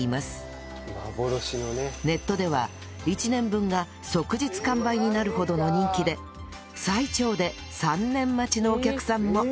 ネットでは１年分が即日完売になるほどの人気で最長で３年待ちのお客さんも